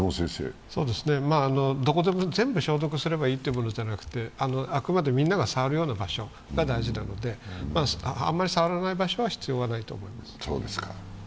どこでも全部消毒すればいいというものじゃなくてあくまでみんなが触るような場所が大事なので、あんまり触らない場所は必要ないと思います。